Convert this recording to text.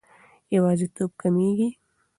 یوازیتوب کمېږي.